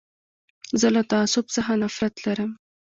زه له تعصب څخه نفرت لرم.